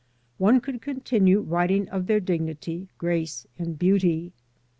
One could continue writing of their dignity, grace, and beauty.